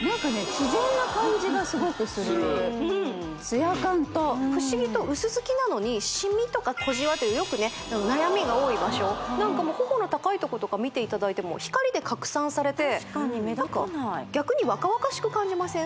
自然な感じがすごくするする・ツヤ感と不思議と薄付きなのにシミとか小じわというよくね悩みが多い場所なんかも頬の高いとことか見ていただいても光で拡散されて確かに目立たない逆に若々しく感じません？